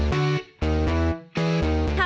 ก็นำพาไปสู่ช่องทางของคนร้ายในลำดับต่อไป